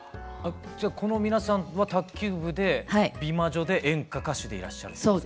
じゃこの皆さんは卓球部で美魔女で演歌歌手でいらっしゃるんですか？